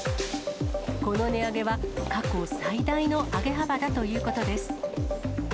この値上げは、過去最大の上げ幅だということです。